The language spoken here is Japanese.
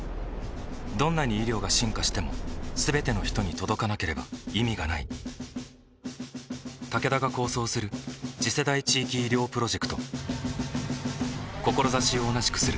どんなに医療が進化しても全ての人に届かなければ意味がないタケダが構想する次世代地域医療プロジェクト志を同じくするあらゆるパートナーと手を組んで実用化に挑む